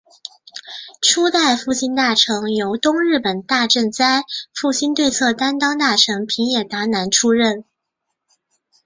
初代复兴大臣由东日本大震灾复兴对策担当大臣平野达男出任。